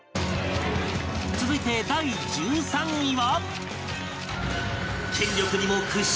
続いて第１３位は